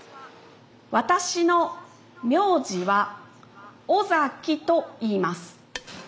私の名字は尾崎といいます。